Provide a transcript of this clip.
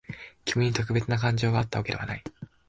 君に特別な感情があったわけではない。